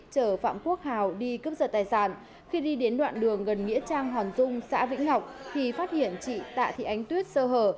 cướp ra tài sản khi đi đến đoạn đường gần nghĩa trang hòn dung xã vĩnh ngọc thì phát hiện chị tạ thị ánh tuyết sơ hở